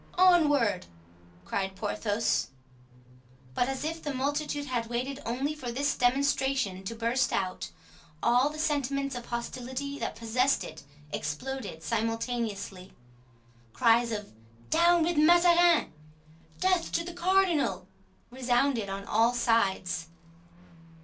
"Onward!" cried Porthos. But as if the multitude had waited only for this demonstration to burst out, all the sentiments of hostility that possessed it exploded simultaneously. Cries of "Down with Mazarin!" "Death to the cardinal!" resounded on all sides.